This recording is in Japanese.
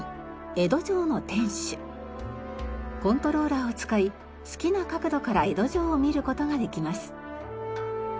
コントローラーを使い好きな角度から江戸城を見る事ができます。